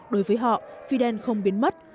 đối với họ fidel không biến mất